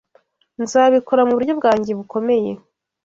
Nzabikora muburyo bwanjye bukomeye.